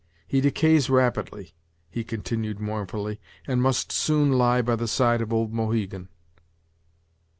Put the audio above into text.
He decays rapidly," he continued mournfully, "and must soon lie by the side of old Mohegan."